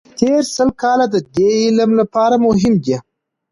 تېر سل کاله د دې علم لپاره مهم دي.